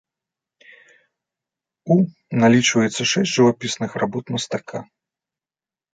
У налічваецца шэсць жывапісных работ мастака.